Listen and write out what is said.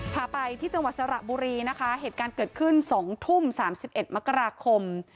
พาไปที่จังหวัดสระบุรีนะคะเหตุการณ์เกิดขึ้น๒ทุ่ม๓๑มกราคม